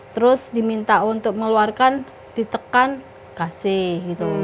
terus diminta untuk mengeluarkan ditekan kasih gitu